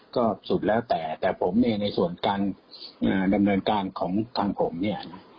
ก็สุดแล้วแต่แต่ผมเนี่ยในส่วนการดำเนินการของทางผมเนี่ย